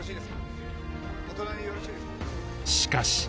しかし